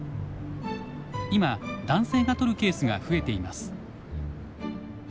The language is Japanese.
今男性が取るケースが増えています。